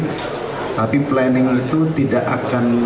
tapi planning itu tidak akan